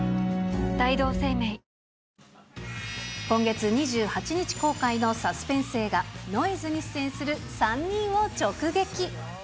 今月２８日公開のサスペンス映画、ノイズに出演する３人を直撃。